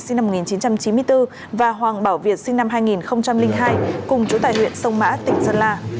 sinh năm một nghìn chín trăm chín mươi bốn và hoàng bảo việt sinh năm hai nghìn hai cùng chủ tài huyện sông mã tỉnh sơn la